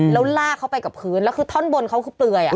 แล้วลากเขาไปกับพื้นแล้วคือท่อนบนเขาคือเปลือย